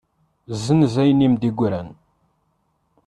Zzenz ayen i m-d-yegran.